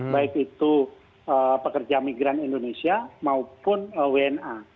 baik itu pekerja migran indonesia maupun wna